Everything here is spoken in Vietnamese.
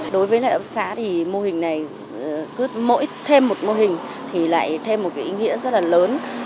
đối với hợp tác xã thì mô hình này thêm một mô hình thì lại thêm một ý nghĩa rất là lớn